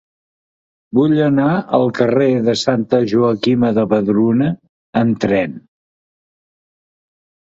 Vull anar al carrer de Santa Joaquima de Vedruna amb tren.